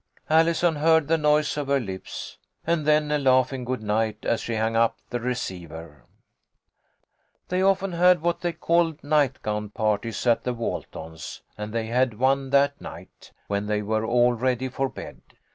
Allison heard the noise of her lips, and then a laughing good night as she hung up the receiver. THE HOME OF A HERO. 1 77 They often had what they called night gown parties at the Waltons, and they had one that night, when they were all ready for bed.